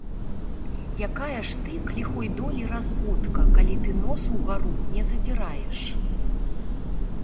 Якая ж ты, к ліхой долі, разводка, калі ты нос угару не задзіраеш!